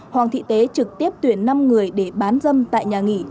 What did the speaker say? hoàng thị tế trực tiếp tuyển năm người để bán dâm tại nhà nghỉ